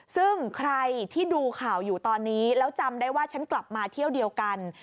ซึ่งใครที่ดูข่าวอยู่ตอนนี้แล้วจำได้ว่าฉันกลับมาเที่ยวเดียวกัน